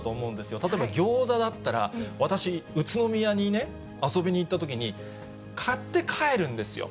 例えばギョーザだったら、私、宇都宮にね、遊びに行ったときに、買って帰るんですよ。